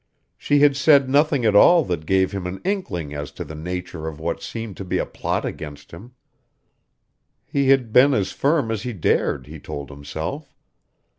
She had said nothing at all that gave him an inkling as to the nature of what seemed to be a plot against him. He had been as firm as he dared, he told himself.